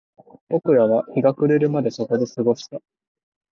僕らは日が暮れるまでそこで過ごした